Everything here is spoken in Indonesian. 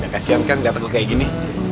kasian kan dapet gue kayak gini